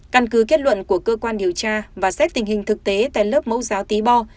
căn cứ kết luận của cơ quan điều tra và xét tình hình thực tế tại lớp mẫu giáo tí bo